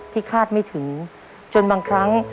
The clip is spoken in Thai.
คาดไม่ถึงจนบางครั้ง